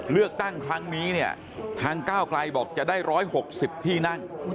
เลือกตั้งครั้งนี้เนี่ยทางก้าวไกลบอกจะได้๑๖๐ที่นั่ง